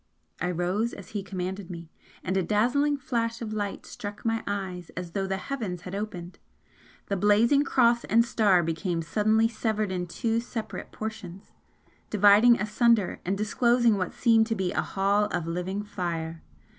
I rose as he commanded me, and a dazzling flash of light struck my eyes as though the heavens had opened. The blazing Cross and Star became suddenly severed in two separate portions, dividing asunder and disclosing what seemed to be a Hall of living fire!